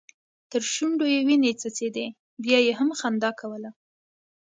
تر شونډو يې وينې څڅيدې بيا يې هم خندا کوله.